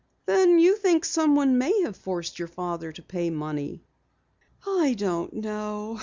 "Then you think someone may have forced your father to pay money?" "I don't know.